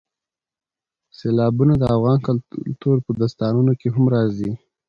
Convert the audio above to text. سیلابونه د افغان کلتور په داستانونو کې هم راځي.